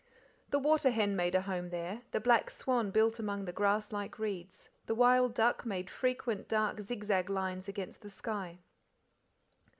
The water hen made a home there, the black swan built among the grass like reeds, the wild duck made frequent dark zigzag lines against the sky.